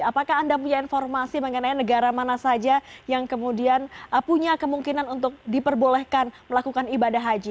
apakah anda punya informasi mengenai negara mana saja yang kemudian punya kemungkinan untuk diperbolehkan melakukan ibadah haji